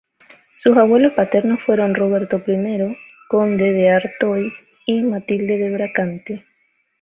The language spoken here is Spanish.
Sus abuelos paternos fueron Roberto I, conde de Artois, y Matilde de Brabante.